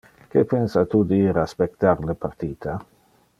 Que pensa tu de ir a spectar le partita?